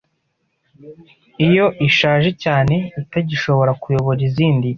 Iyo ishaje cyane itagishobora kuyobora izindi